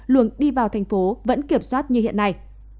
luồng đi vào thành phố vẫn kiểm soát như hiện nay